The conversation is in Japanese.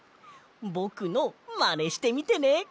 ぼくのマネしてみてね！